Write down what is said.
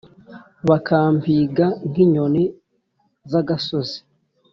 bakampiga nk’inyoni zagasozi